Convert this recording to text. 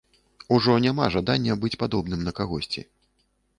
Ужо няма жадання быць падобным на кагосьці.